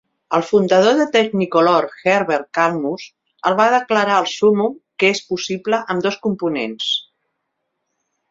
El fundador de Technicolor, Herbert Kalmus, el va declarar el súmmum que és possible amb dos components.